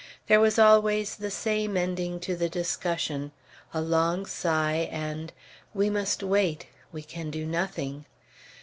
There was always the same ending to the discussion, a long sigh, and, "We must wait, we can do nothing."